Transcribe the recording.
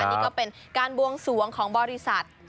นี่ก็เป็นการบวงสวงของบริษัท